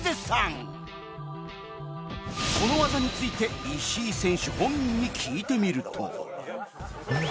この技について石井選手本人に聞いてみると